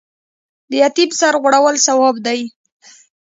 د یتیم سر غوړول ثواب دی